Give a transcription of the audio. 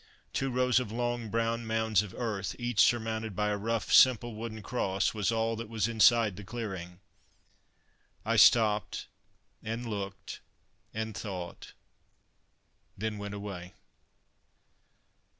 Two rows of long, brown mounds of earth, each surmounted by a rough, simple wooden cross, was all that was inside the clearing. I stopped, and looked, and thought then went away.